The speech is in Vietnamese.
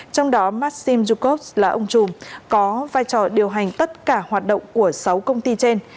trong đó maxim zucov là ông chùm có vai trò điều hành tất cả hoạt động của sáu công ty trên